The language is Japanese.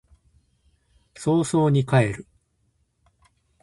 早々に帰る